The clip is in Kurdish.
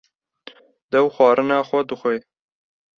Dêw xwarina xwe dixwe